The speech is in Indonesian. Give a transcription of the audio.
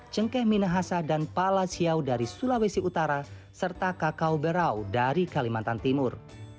cengkeh minahasa dan palasiau dari sulawesi utara serta kakao berau dari kalimantan timur